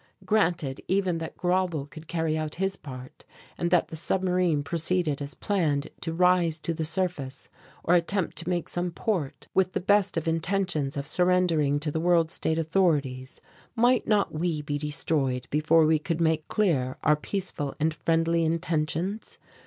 Granted even that Grauble could carry out his part and that the submarine proceeded as planned to rise to the surface or attempt to make some port, with the best of intentions of surrendering to the World State authorities, might not we be destroyed before we could make clear our peaceful and friendly intentions?